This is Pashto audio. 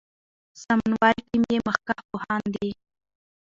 سمونوال ټیم یې مخکښ پوهان دي.